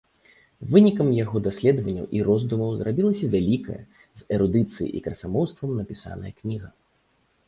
Вынікам яго даследаванняў і роздумаў зрабілася вялікая, з эрудыцыяй і красамоўствам напісаная кніга.